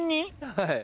はい。